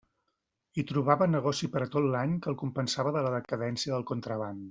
Hi trobava negoci per a tot l'any, que el compensava de la decadència del contraban.